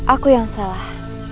aku yang salah